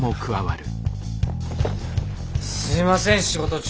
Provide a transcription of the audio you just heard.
すいません仕事中に。